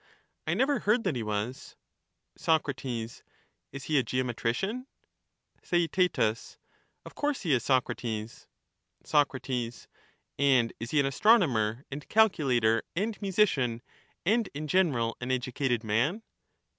I never heard that he was. Soc. Is he a geometrician ? Theaet, Of course he is, Socrates. Soc, And is he an astronomer and calculator and musician, and in general an educated man